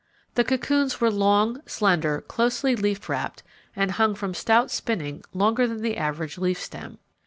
The cocoons were long, slender, closely leaf wrapped and hung from stout spinning longer than the average leaf stem.